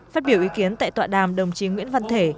phát biểu ý kiến tại tọa đàm đồng chí nguyễn văn thể